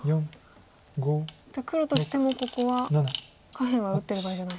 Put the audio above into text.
じゃあ黒としてもここは下辺は打ってる場合じゃない。